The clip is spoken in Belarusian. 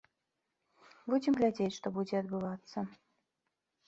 Будзем глядзець, што будзе адбывацца.